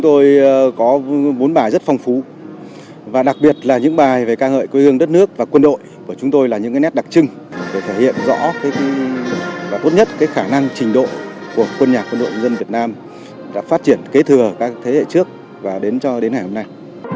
điều nhất là khả năng trình độ của quân nhạc quân đội nhân dân việt nam đã phát triển kế thừa các thế hệ trước và đến cho đến ngày hôm nay